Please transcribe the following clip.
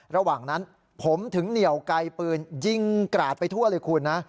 ระหว่างนั้นผมถึงเหนียวไกลปืนยิงกราดไปทั่วเลยคุณนะ